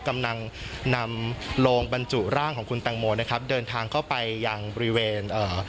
กำลังนำโลงบรรจุร่างของคุณแตงโมนะครับเดินทางเข้าไปยังบริเวณเอ่อ